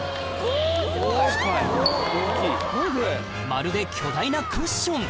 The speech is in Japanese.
まるで巨大なクッション